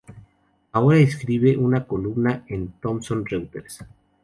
Ahora escribe una columna en Thomson Reuters.